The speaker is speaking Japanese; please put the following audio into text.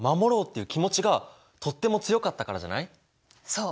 そう！